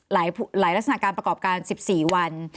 หลายลักษณะการประกอบการ๑๔วัน